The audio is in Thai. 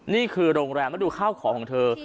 นี่คือโรงแรมมาดูข้าวของเธอ